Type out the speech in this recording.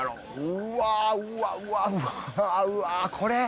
うわうわうわうわうわこれ？